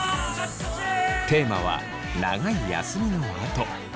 テーマは「長い休みのあと」。